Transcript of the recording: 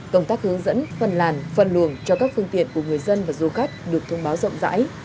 công tác hướng dẫn phân làn phân luồng cho các phương tiện của người dân và du khách được thông báo rộng rãi